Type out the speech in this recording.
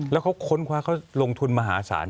แล้วเขาค้นคว้าเขาลงทุนมหาศาล